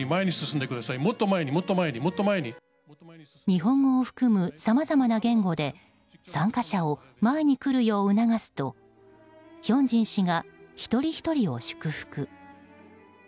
日本語を含むさまざまな言語で参加者を前に来るよう促すとヒョンジン氏が一人ひとりを祝福。